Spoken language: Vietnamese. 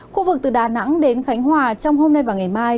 khu vực từ đà nẵng đến khánh hòa trong hôm nay và ngày mai